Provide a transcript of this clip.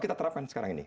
kita terapkan sekarang ini